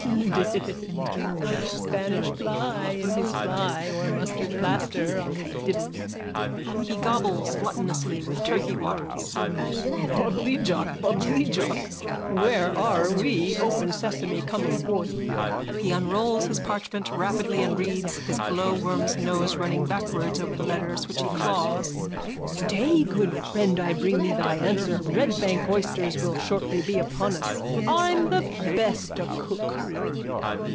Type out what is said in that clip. _ Splendid! Spanish fly in his fly or mustard plaster on his dibble. (He gobbles gluttonously with turkey wattles.) Bubbly jock! Bubbly jock! Where are we? Open Sesame! Cometh forth! (He unrolls his parchment rapidly and reads, his glowworm's nose running backwards over the letters which he claws.) Stay, good friend. I bring thee thy answer. Redbank oysters will shortly be upon us. I'm the best o'cook.